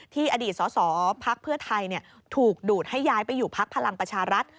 ที่อดีตสศพไทยถูกดูดให้ย้ายไปอยู่พักพลังประชารัฐ